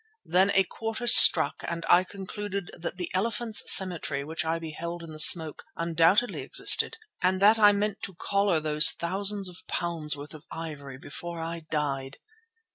Then a quarter struck and I concluded that the elephants' cemetery which I beheld in the smoke undoubtedly existed and that I meant to collar those thousands of pounds' worth of ivory before I died.